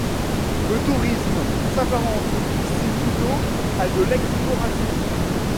Le tourisme s'apparente ici plutôt à de l'exploration.